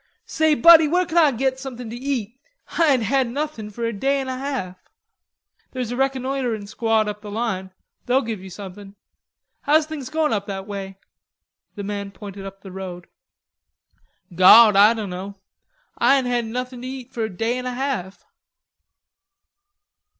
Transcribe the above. "Say, buddy, where can Ah' git something to eat? Ah ain't had nothin' fur a day an a half." "There's a reconnoitrin' squad up the line; they'll give you somethin'.... How's things goin' up that way?" The man pointed up the road. "Gawd, Ah doan know. Ah ain't had nothin' to eat fur a day and a half."